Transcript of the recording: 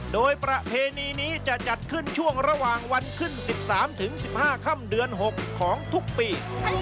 โดยประเพณีนี้จะจัดขึ้นช่วงระหว่างวันขึ้น๑๓๑๕ค่ำเดือน๖ของทุกปี